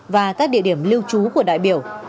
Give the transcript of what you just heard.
và các địa điểm lưu trú của đại biểu